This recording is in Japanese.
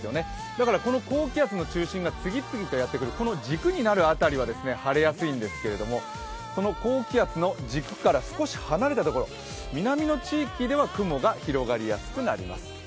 だから、この高気圧の中心が次々とやってくるこの軸になる辺りは晴れやすいんですけども、この高気圧の軸から少し離れたところ、南の地域では雲が広がりやすくなります。